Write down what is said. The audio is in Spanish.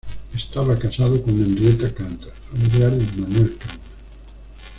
Estaba casado con Henrietta Kant, familiar de Immanuel Kant.